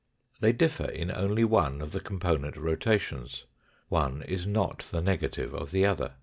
They differ in only one of the component rotations. One is not the negative of the other.